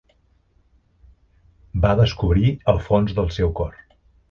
Va descobrir el fons del seu cor.